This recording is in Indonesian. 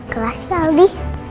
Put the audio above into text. kelas ya aldi